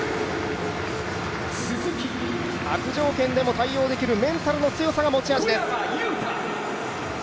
悪条件でも対応できるメンタルの強さが持ち味です。